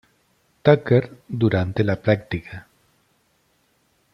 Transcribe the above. Tucker durante la práctica.